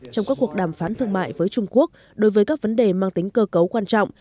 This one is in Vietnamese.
trong các cuộc đàm phán thương mại với trung quốc đối với các vấn đề mang tính cơ cấu quan trọng